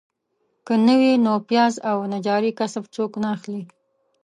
که نه وي نو پیاز او نجاري کسب څوک نه اخلي.